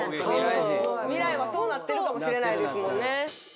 未来はそうなってるかもしれないですもんね。